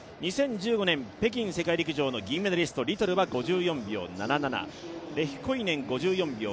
２０１５年、北京世界陸上銀メダリストはリトルは５４秒７７レヒコイネン、５４秒９５。